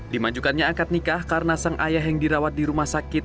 dimajukannya akad nikah karena sang ayah yang dirawat di rumah sakit